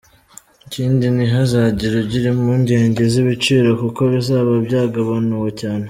Ikindi, ntihazagire ugira impungenge z’ibiciro kuko bizaba byagabanuwe cyane.